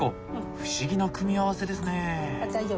不思議な組み合わせですね。